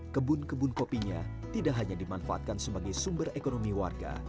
kebun kebun kopinya tidak hanya dimanfaatkan sebagai sumber ekonomi warga